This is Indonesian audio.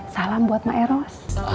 salam buat mak eros